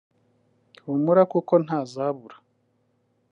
Humura kuko ntazabura